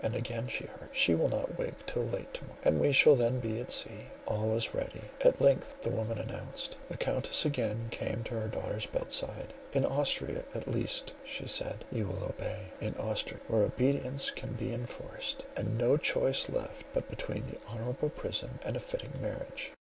And again she heard, "She will not wake till late to morrow, and we shall then be at sea."——"All is ready," at length the woman announced. The Countess again came to her daughter's bedside: "In Austria at least," she said, "you will obey. In Austria, where obedience can be enforced, and no choice left but between an honourable prison and a fitting marriage."